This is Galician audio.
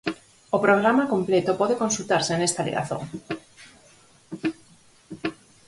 O programa completo pode consultarse nesta ligazón.